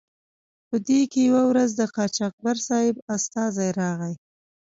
په دې کې یوه ورځ د قاچاقبر صاحب استازی راغی.